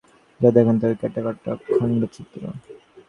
যা দেখেন, তাই মনে হয় কাটা-কাটা খণ্ডচিত্র।